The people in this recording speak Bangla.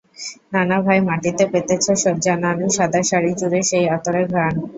নানা ভাই মাটিতে পেতেছে শয্যা, নানুর সাদা শাড়ি জুড়ে সেই আতরের ঘ্রাণ।